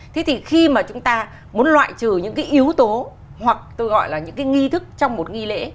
thế thì khi mà chúng ta muốn loại trừ những cái yếu tố hoặc tôi gọi là những cái nghi thức trong một nghi lễ